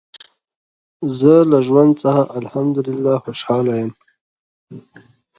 زه له ژوند څخه الحمدلله خوشحاله یم.